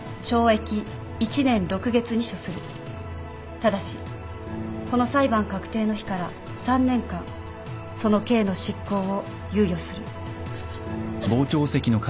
ただしこの裁判確定の日から３年間その刑の執行を猶予する。